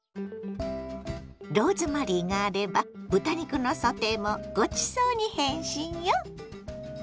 ローズマリーがあれば豚肉のソテーもごちそうに変身よ。